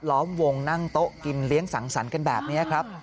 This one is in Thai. ล้อมวงนั่งโต๊ะกินเลี้ยงสังสรรค์กันแบบนี้ครับ